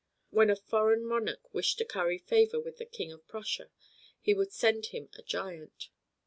When a foreign monarch wished to curry favor with the King of Prussia he would send him a giant.